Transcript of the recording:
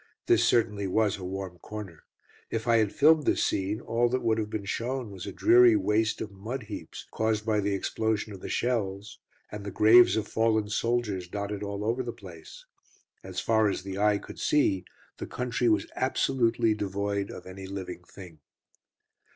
This certainly was a warm corner. If I had filmed this scene, all that would have been shown was a dreary waste of mud heaps, caused by the explosion of the shells, and the graves of fallen soldiers dotted all over the place. As far as the eye could see the country was absolutely devoid of any living thing.